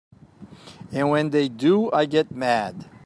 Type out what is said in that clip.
And when they do I get mad.